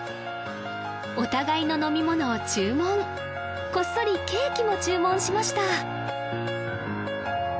お互いの飲み物を注文こっそりケーキも注文しました